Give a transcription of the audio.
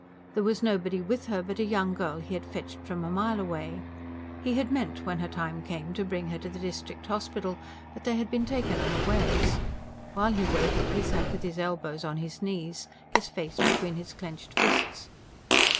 There was nobody with her but a young girl he had fetched from a mile away. He had meant, when her time came, to bring her to the District Hospital. But they had been taken unawares. While he waited he sat with his elbows on his knees, his face between his clenched fists.